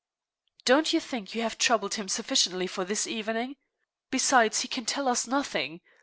"Don't you think you have troubled him sufficiently for this evening? Besides, he can tell us nothing.